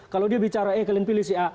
kalau dia bicara eh kalian pilih si a